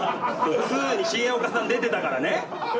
『Ⅱ』に重岡さん出てたからね。